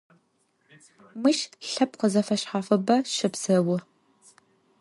Мыщ лъэпкъ зэфэшъхьафыбэ щэпсэу.